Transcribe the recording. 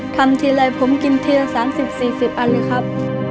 ทำทีไรผมกินเทียอสามสิบสี่สิบอันเลยครับ